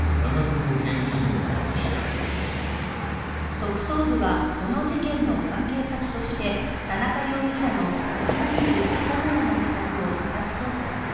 特捜部はこの事件の関係先として田中容疑者の杉並区阿佐ヶ谷の自宅を家宅捜索。